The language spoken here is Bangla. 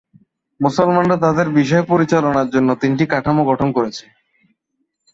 মুসলমানরা তাদের বিষয় পরিচালনার জন্য তিনটি কাঠামো গঠন করেছে।